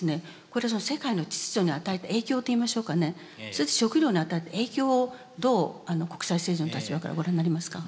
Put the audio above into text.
これが世界の秩序に与えた影響といいましょうかねそれと食料に与えた影響をどう国際政治の立場からご覧になりますか？